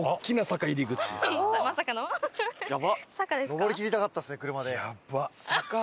上りきりたかったですね車で。